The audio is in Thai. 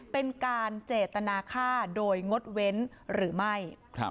เป็นการเจตนาค่าโดยงดเว้นหรือไม่